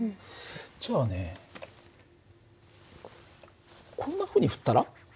じゃあねこんなふうに振ったら？